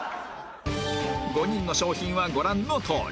５人の商品はご覧のとおり